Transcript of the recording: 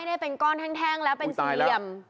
ได้เป็นก้อนแท่งแล้วเป็นสี่เหลี่ยม